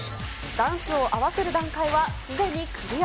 ダンスを合わせる段階はすでにクリア。